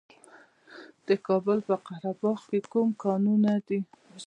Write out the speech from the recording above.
د کابل په قره باغ کې کوم کانونه دي؟